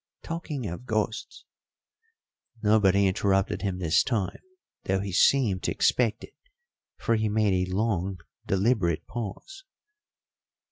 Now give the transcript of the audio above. "Talking of ghosts " Nobody interrupted him this time, though he seemed to expect it, for he made a long, deliberate pause.